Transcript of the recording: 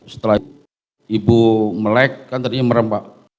setelah ibu melek kan tadinya merempak